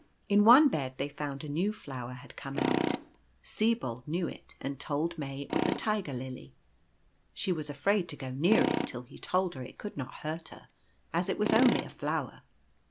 In one bed they found a new flower had come out. Sibold knew it, and told May it was a Tiger lily ; she was afraid to go near it till he told her it could not hurt her, as it was only a flower.